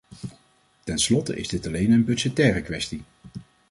Ten slotte is dit alleen een budgettaire kwestie.